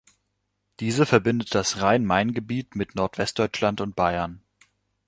Diese verbindet das Rhein-Main-Gebiet mit Nordwestdeutschland und Bayern.